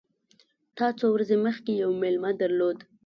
تا څو ورځي مخکي یو مېلمه درلود !